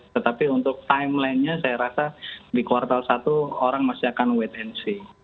tetapi untuk timeline nya saya rasa di kuartal satu orang masih akan wait and see